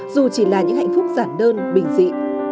dù chỉ là những hạnh phúc giản đơn bình dị